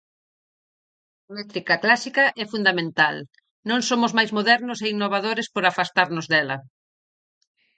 A métrica clásica é fundamental: non somos máis modernos e innovadores por afastarnos dela.